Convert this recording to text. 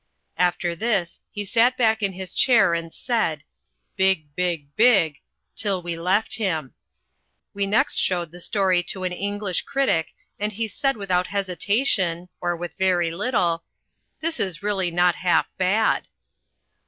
After this he sat back in his chair and said, "big, big, big," till we left him. We next showed the story to an English critic and he said without hesitation, or with very little, "This is really not half bad."